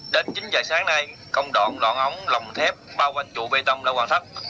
đến chính dài sáng nay công đoạn đoạn ống lòng thép bao quanh trụ bê tông đã hoàn thất